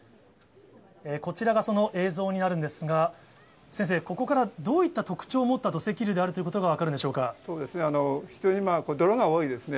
こちらがその映像になるんですが、先生、ここからどういった特徴を持った土石流であるということが分かるそうですね、普通に泥が多いですね。